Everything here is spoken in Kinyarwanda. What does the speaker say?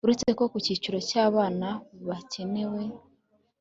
uretse ko ku cyiciro cy abana hakenewe